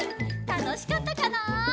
たのしかったかな？